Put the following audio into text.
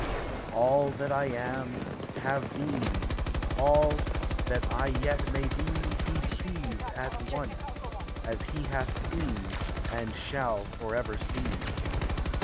All that I am, have been, All that I yet may be, He sees at once, as he hath seen, And shall forever see.